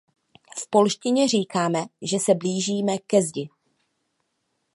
V polštině říkáme, že se blížíme ke zdi.